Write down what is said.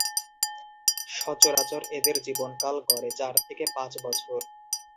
সচরাচর এদের জীবনকাল গড়ে চার থেকে পাঁচ বছর।